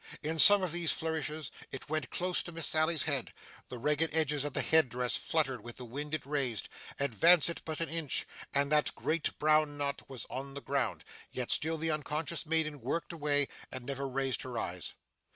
In some of these flourishes it went close to Miss Sally's head; the ragged edges of the head dress fluttered with the wind it raised; advance it but an inch, and that great brown knot was on the ground: yet still the unconscious maiden worked away, and never raised her eyes.